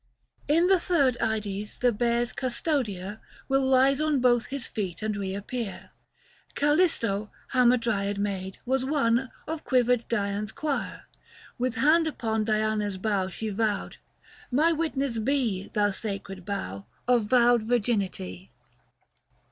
In the third Ides the Bear's custodier Will rise on both his feet and reappear. Callisto, Hamadryad maid, was one 155 Of quivered Dian's choir : with hand upon Diana's bow, she vowed, " My witness be Thou sacred bow ! of vowed virginity."